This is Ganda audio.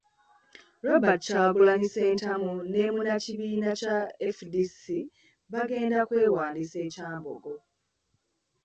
Robert Kyagulanyi Ssentamu ne Munnakibiina kya FDC bagenda okwewandiisa e Kyambogo.